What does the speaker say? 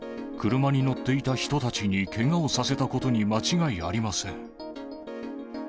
車に乗っていた人たちにけがをさせたことに間違いありません。